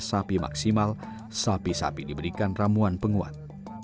sapi maksimal sapi sapi diberikan ramuan penguat